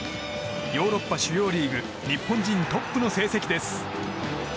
ヨーロッパ主要リーグ日本人トップの成績です。